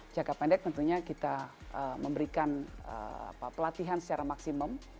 jangka pendek tentunya kita memberikan pelatihan secara maksimum